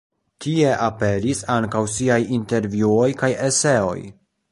Tie aperis ankaŭ ŝiaj intervjuoj kaj eseoj.